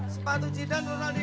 sepatu jidan ronaldo